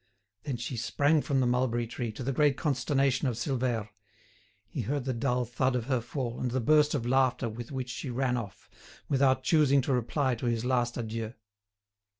Then she sprang from the mulberry tree, to the great consternation of Silvère. He heard the dull thud of her fall, and the burst of laughter with which she ran off, without choosing to reply to his last adieu.